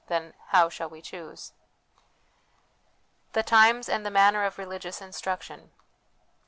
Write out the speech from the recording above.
than, How shall we choose ? The Times and the Manner of Religious Instruction.